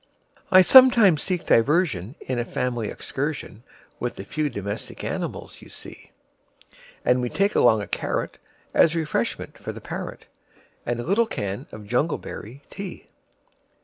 I sometimes seek diversionIn a family excursionWith the few domestic animals you see; And we take along a carrotAs refreshment for the parrot, And a little can of jungleberry tea.